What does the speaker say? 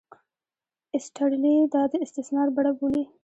ایسټرلي دا د استثمار بڼه بولي.